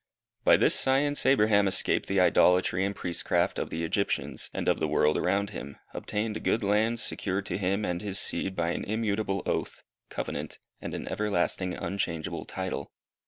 By this science Abraham escaped the idolatry and priestcraft of the Egyptians, and of the world around him; obtained a good land secured to him and his seed by an immutable oath, covenant, and an everlasting, unchangeable title.